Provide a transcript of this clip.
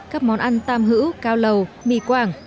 các món ăn tam hữu cao lầu mì quảng